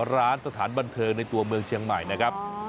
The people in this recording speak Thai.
สถานบันเทิงในตัวเมืองเชียงใหม่นะครับ